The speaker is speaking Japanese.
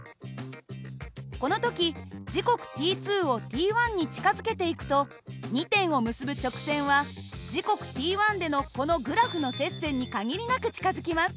この時時刻ｔをｔに近づけていくと２点を結ぶ直線は時刻ｔでのこのグラフの接線に限りなく近づきます。